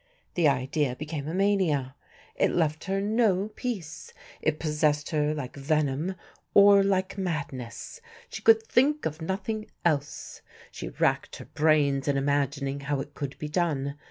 The idea became a mania. It left her no peace. It possessed her like venom or like madness. She could think of nothing else. She racked her brains in imagining how it could be done.